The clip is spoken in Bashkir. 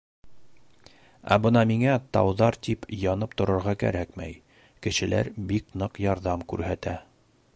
Ә бына миңә тауҙар тип янып торорға кәрәкмәй, кешеләр бик ныҡ ярҙам күрһәтә.